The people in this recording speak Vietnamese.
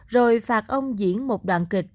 rồi phạt ông diễn một đoạn kịch